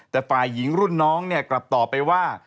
แต่ฝ่ายหญิงรุ่นน้องกลับตอบไปว่า